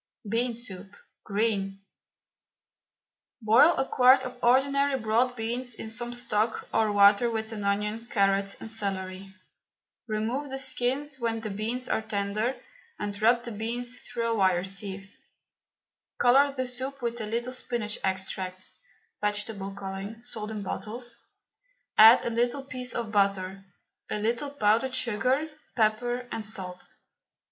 BEAN SOUP, GREEN. Boil a quart of ordinary broad beans in some stock or water with an onion, carrot and celery. Remove the skins when the beans are tender and rub the beans through a wire sieve. Colour the soup with a little spinach extract (vegetable colouring, sold in bottles) add a little piece of butter, a little powdered sugar, pepper and salt.